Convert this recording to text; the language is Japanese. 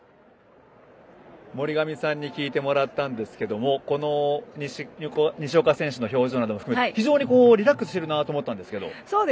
森上さんに聞いてもらったんですけど西岡選手の表情も含めて非常にリラックスしてるなと思ったんですけど。